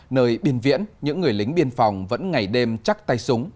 nơi biên viễn những người lính biên phòng vẫn ngày đêm chắc tay súng